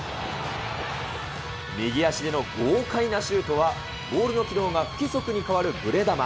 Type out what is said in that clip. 右足での豪快なシュートは、ボールの軌道が不規則に変わるぶれ球。